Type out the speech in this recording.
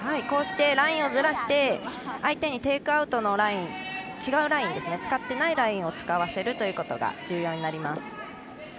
こうしてラインをずらして相手にテイクアウトのライン違うライン使ってないラインを使わせることが重要になります。